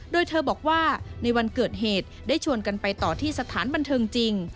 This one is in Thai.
โดยเธอบอกว่าในวันเกิดเหตุได้ชวนกันไปต่อที่สถานบันเทิงจริง